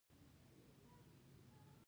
د ښو اړیکو جوړولو لپاره وکارول شوه.